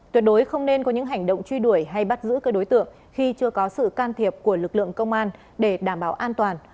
tuyệt đối không nên có những hành động truy đuổi hay bắt giữ các đối tượng khi chưa có sự can thiệp của lực lượng công an để đảm bảo an toàn